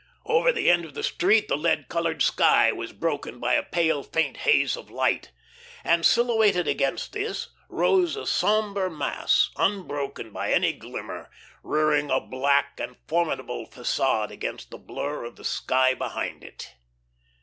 Over the end of the street the lead coloured sky was broken by a pale faint haze of light, and silhouetted against this rose a sombre mass, unbroken by any glimmer, rearing a black and formidable facade against the blur of the sky behind it.